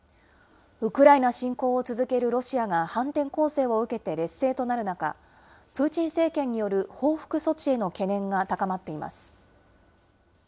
ウクライナ侵攻を続けるロシアが反転攻勢を受けて劣勢となる中、プーチン政権による報復措置への懸念が高まっています。